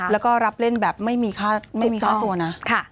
แล้วก็รับเล่นแบบไม่มีค่าตัวนะ